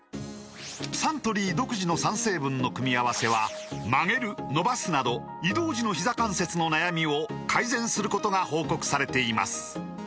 サントリー独自の３成分の組み合わせは曲げる伸ばすなど移動時のひざ関節の悩みを改善することが報告されています